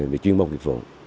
vì chuyên môn việc vụ